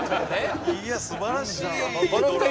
いやすばらしいドラマ。